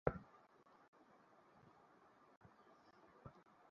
রণদাবাবু প্রথমে উহার মর্মগ্রহণে অসমর্থ হইয়া স্বামীজীকেই উহার অর্থ জিজ্ঞাসা করিলেন।